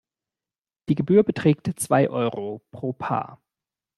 Die Gebühr beträgt zwei Euro pro Paar.